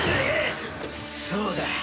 そうだ。